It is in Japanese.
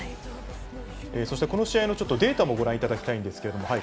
そして、この試合のデータもご覧いただきたいんですけれどもはい。